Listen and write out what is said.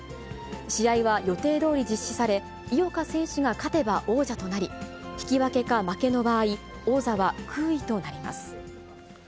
試合は予定どおり実施され、井岡選手が勝てば王者となり、引き分けか負けの場合、王座は空位となります。